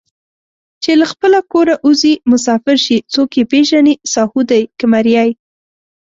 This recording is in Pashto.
چې له خپله کوره اوځي مسافر شي څوک یې پېژني ساهو دی که مریی